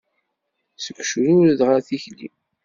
Seg ucrured ɣar tikli.